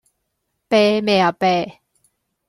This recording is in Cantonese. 啤咩呀啤